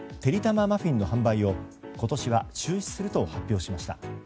まマフィンの販売を今年は中止すると発表しました。